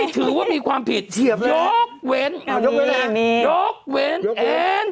ไม่ถือว่ามีความผิดเหลือเยอะแหง